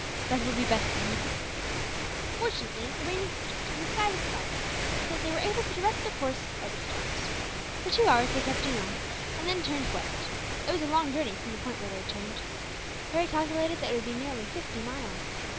"That will be best, sahib." Fortunately the rain had ceased, and the sky was cloudless, so that they were able to direct their course by the stars. For two hours they kept due north, and then turned west. It was a long journey from the point where they turned. Harry calculated that it would be nearly fifty miles.